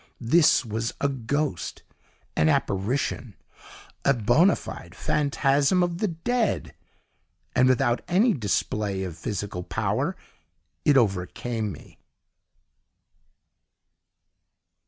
This was a ghost an apparition a bonâ fide phantasm of the dead! And without any display of physical power it overcame me.